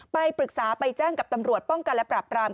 ไปปรึกษาไปแจ้งกับตำรวจป้องกันและปรับปราม